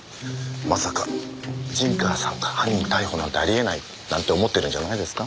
まさか陣川さんが犯人逮捕なんてありえないなんて思ってるんじゃないですか？